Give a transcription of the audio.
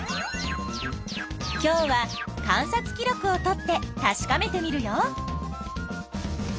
今日は観察記録をとってたしかめてみるよ。